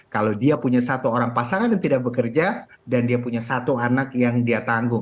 kalau dia punya satu orang pasangan yang tidak bekerja dan dia punya satu anak yang dia tanggung